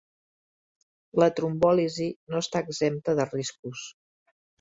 La trombòlisi no està exempte de riscos.